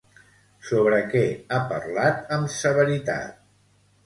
Sobre què ha parlat amb severitat?